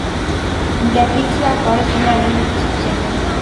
Interdicțiile actuale sunt mai mult decât suficiente.